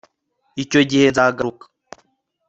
icyo gihe nzagaruka